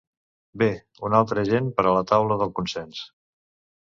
Bé, un altre agent per a la taula del consens.